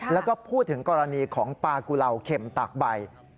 แล้วก็พูดถึงกรณีของปลากุเหล่าเข็มตากใบ